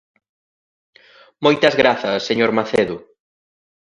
Moitas grazas señor Macedo.